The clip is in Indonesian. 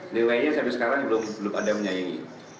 di wnu sampai sekarang belum ada yang menyayangi